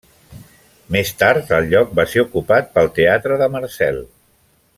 Més tard el lloc va ser ocupat pel teatre de Marcel.